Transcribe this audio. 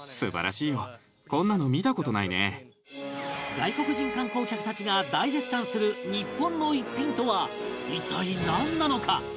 外国人観光客たちが大絶賛する日本の逸品とは一体なんなのか？